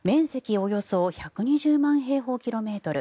およそ１２０万平方キロメートル